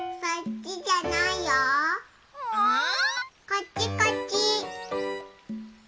・こっちこっち。